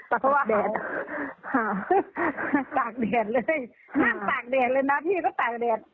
เพราะว่าแดดค่ะตากแดดเลยนั่งตากแดดเลยนะพี่ก็ตากแดด